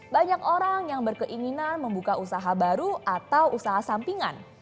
banyak orang yang berkeinginan membuka usaha baru atau usaha sampingan